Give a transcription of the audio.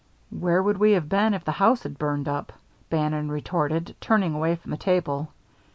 "Where would we have been if the house had burned up?" Bannon retorted, turning away from the table.